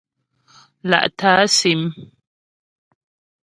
Lá'tə̀ á sim.